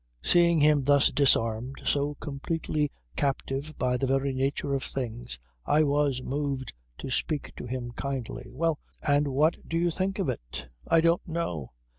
Seeing him thus disarmed, so completely captive by the very nature of things I was moved to speak to him kindly. "Well. And what do you think of it?" "I don't know.